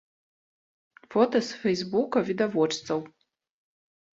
Фота з фэйсбука відавочцаў.